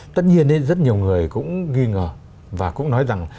tất nhiên rất nhiều người cũng nghi ngờ và cũng nói rằng